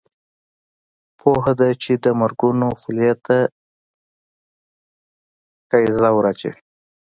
پوهه ده چې د مرګونو خولې ته قیضه ور اچوي.